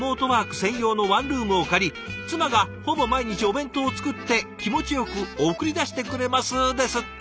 専用のワンルームを借り妻がほぼ毎日お弁当を作って気持ちよく送り出してくれます」ですって。